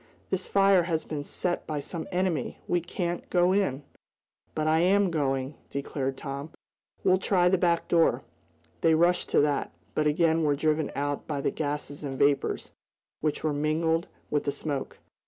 This fire has been set by some enemy! We can't go in!" "But I am going!" declared Tom. "We'll try the back door." They rushed to that, but again were driven out by the gases and vapors, which were mingled with the smoke.